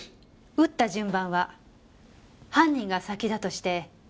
撃った順番は犯人が先だとしてそのあとは。